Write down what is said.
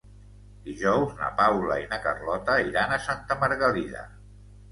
Dijous na Paula i na Carlota iran a Santa Margalida.